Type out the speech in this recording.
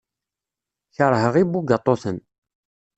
Keṛheɣ ibugaṭuten.